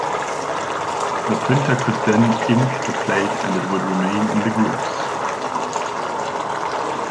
The printer could then ink the plate, and it would remain in the grooves.